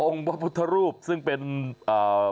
องค์บรรพทรูปซึ่งเป็นอ่า